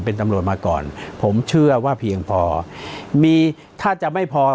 เป็นตำรวจมาก่อนผมเชื่อว่าเพียงพอมีถ้าจะไม่พอ